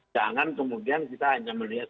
jangan kemudian kita hanya melihat